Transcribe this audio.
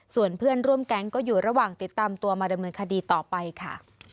ส่วนเพื่อนร่วมแก๊งก็อยู่ระหว่างติดตามตัวมาดำเนินคดีต่อไปค่ะ